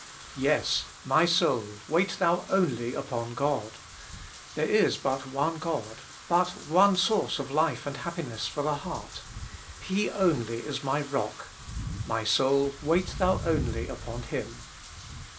Yes, *My soul, wait thou only upon God.' There is but one God, but one source of life and happiness for the heart ; He only is my Rock ; my soul, wait thou only upon Him.